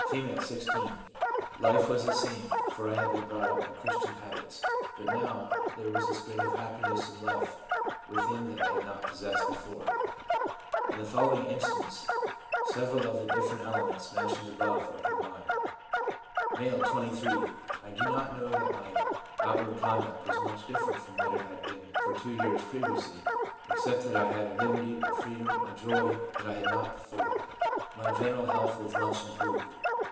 16. 'Life was the same, for I had been brought up in Christian habits ; but now there was a spring of happiness and love within that I had not possessed before/ In the follow ing instance, several of the different elements mentioned above are combined : M., 23. ' I do not know that my outward conduct was much different from what it had been for two years previously, except that I had a liberty, a freedom, a joy, that I had not before. My general health was much improved.